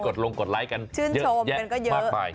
ลงกดไลค์กันเยอะแยะมากมาย